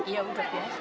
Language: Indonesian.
iya udah biasa